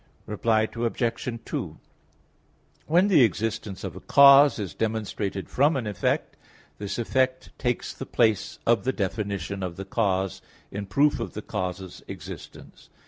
Reply Obj. 2: When the existence of a cause is demonstrated from an effect, this effect takes the place of the definition of the cause in proof of the cause's existence.